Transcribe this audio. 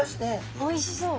おいしそう。